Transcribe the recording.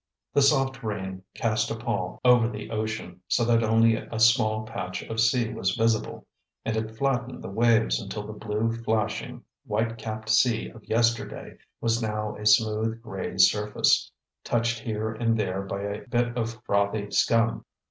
The soft rain cast a pall over the ocean, so that only a small patch of sea was visible; and it flattened the waves until the blue flashing, white capped sea of yesterday was now a smooth, gray surface, touched here and there by a bit of frothy scum.